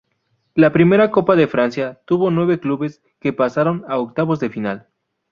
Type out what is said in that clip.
La primera Copa de Francia tuvo nueve clubes que pasaron a octavos de final.